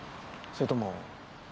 それとも。